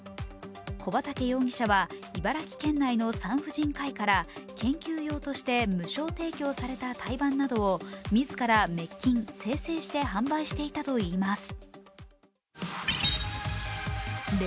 小畠容疑者は茨城県内の産婦人科医から研究用として無償提供された胎盤などを自ら滅菌・精製して販売していたといいます。